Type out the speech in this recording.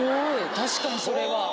確かにそれは。